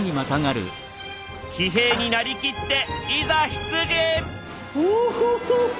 騎兵になりきっていざ出陣！